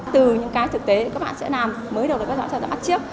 từ những cái thực tế các bạn sẽ làm mới được được các giáo sư áp chiếc